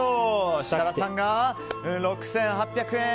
設楽さんが６８００円。